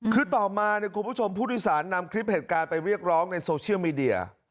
คือต่อมาคุณผู้ชมผู้โดยสารนำคลิปเหตุการณ์ไปเรียกร้องในโซเชียลมีเดีย